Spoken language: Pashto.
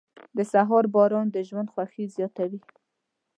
• د سهار باران د ژوند خوښي زیاتوي.